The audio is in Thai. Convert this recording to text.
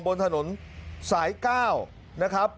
บนถนนสาย๙นะครับ